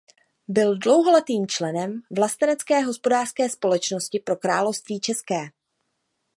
Byl dlouholetým členem Vlastenecké hospodářské společnosti pro království České.